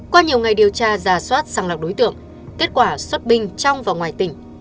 qua nhiều ngày điều tra giả soát sàng lọc đối tượng kết quả xuất binh trong và ngoài tỉnh